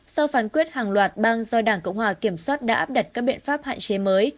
sau phán quyết hàng loạt bang do đảng cộng hòa kiểm soát đã áp đặt các biện pháp hạn chế mới